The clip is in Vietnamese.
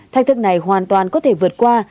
thành thức này hoàn toàn có thể vượt qua